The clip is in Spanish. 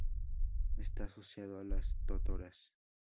Está asociado a las totoras.